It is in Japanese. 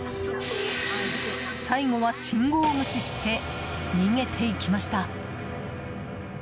最後は、信号を無視して逃げていきました。